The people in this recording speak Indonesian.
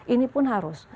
ini pun harus